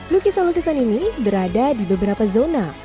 lukisan lukisan ini berada di beberapa zona